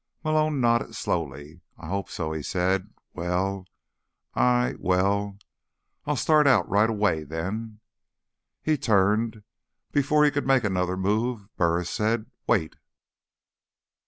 Malone nodded slowly. "I hope so," he said. "Well, I—Well, I'll start out right away, then." He turned. Before he could make another move Burris said, "Wait!"